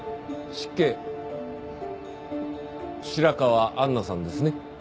白河杏奈さんですね。